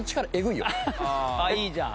あっいいじゃん。